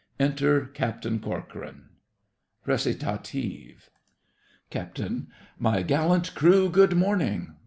Enter CAPTAIN CORCORAN RECITATIVE CAPT. My gallant crew, good morning.